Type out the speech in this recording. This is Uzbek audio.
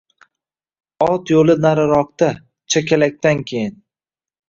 Ot yo‘li nariroqda, chakalakdan keyin.